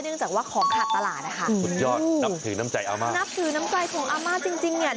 เนื่องจากว่าของขาดตลาดนะคะนับถือน้ำใจของอาม่าจริงเนี่ย